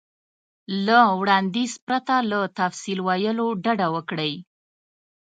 له وړاندیز پرته له تفصیل ویلو ډډه وکړئ.